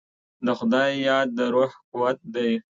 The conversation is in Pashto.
د خدای یاد د روح قوت دی.